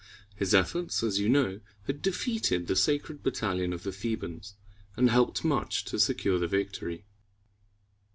His efforts, as you know, had defeated the Sacred Battalion of the Thebans, and helped much to secure the victory.